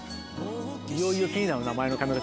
いよいよ気になるな前の髪形